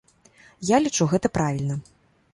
Я лічу, гэта правільна.